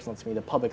adalah sektor publik